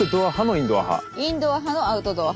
インドア派のアウトドア派。